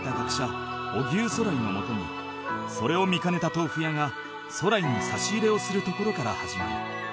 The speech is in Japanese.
荻生徂徠のもとにそれを見かねた豆腐屋が徂徠に差し入れをするところから始まる